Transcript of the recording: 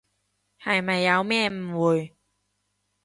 係咪有咩誤會？